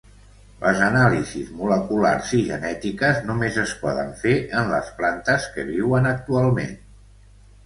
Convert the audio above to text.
Les anàlisis moleculars i genètiques només es poden fer en les plantes que viuen actualment.